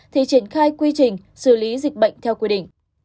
thì triển khai quy trình xử lý dịch bệnh theo quy định